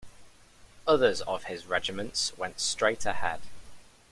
Others of his regiments went straight ahead.